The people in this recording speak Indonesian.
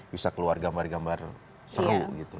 bisa keluar gambar gambar seru gitu